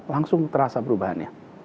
langsung terasa perubahannya